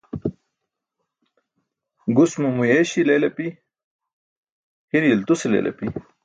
Gus mo muyeeśe leel api, hire iltuse leel api